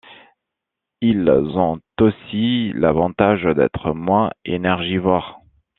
Ils ont aussi l'avantage d'être moins énergivores.